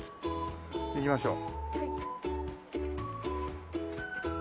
行きましょう。